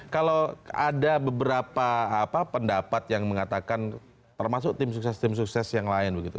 kalau ada beberapa pendapat yang mengatakan termasuk tim sukses tim sukses yang lain begitu